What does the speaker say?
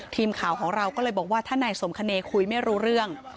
ทีมข่าวของเราก็เลยบอกว่าถ้านายสมคเนยคุยไม่รู้เรื่อง